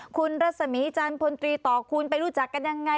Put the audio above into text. คุณรัศมีจันทร์พลตรีต่อคุณไปรู้จักกันยังไง